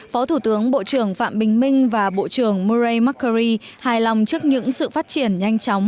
phó thủ tướng bộ trưởng phạm bình minh và bộ trưởng morei macri hài lòng trước những sự phát triển nhanh chóng